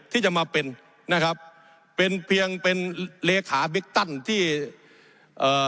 ที่จะมาเป็นนะครับเป็นเพียงเป็นเลขาบิ๊กตันที่เอ่อ